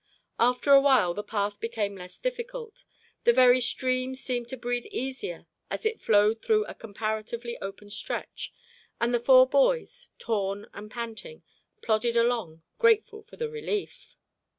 After a while the path became less difficult; the very stream seemed to breathe easier as it flowed through a comparatively open stretch, and the four boys, torn and panting, plodded along, grateful for the relief.